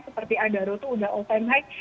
seperti adaro tuh udah all time high